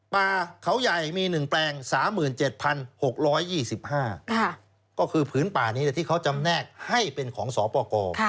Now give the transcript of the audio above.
ป่าเขาใหญ่มี๑แปลง๓๗๖๒๕ก็คือผืนป่านี้ที่เขาจำแนกให้เป็นของสปกร